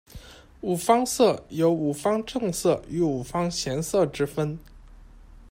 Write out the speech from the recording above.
五方色有五方正色与五方闲色之分。